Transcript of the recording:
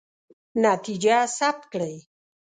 نتیجه ثبت کړئ.